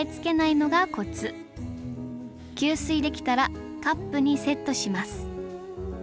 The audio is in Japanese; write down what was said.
吸水できたらカップにセットします